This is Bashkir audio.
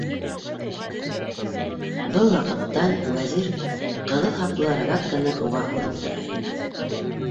Был ваҡытта Вәзир ҡыҙыл һаплы рогатканы уға һуҙып тора ине.